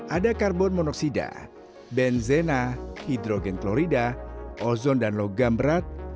ada karbon monoksida benzena hidrogen klorida ozon dan logam berat